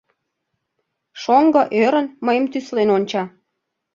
Шоҥго, ӧрын, мыйым тӱслен онча.